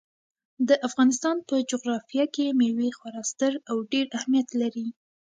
د افغانستان په جغرافیه کې مېوې خورا ستر او ډېر اهمیت لري.